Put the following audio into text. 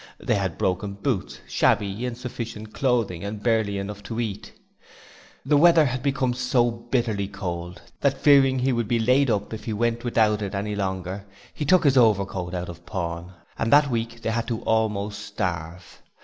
They had broken boots, shabby, insufficient clothing, and barely enough to eat. The weather had become so bitterly cold that, fearing he would be laid up if he went without it any longer, he took his overcoat out of pawn, and that week they had to almost starve.